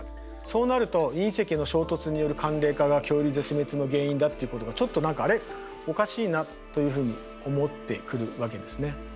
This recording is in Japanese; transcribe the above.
そうなると隕石の衝突による寒冷化が恐竜絶滅の原因だっていうことがちょっと何かあれおかしいなというふうに思ってくるわけですね。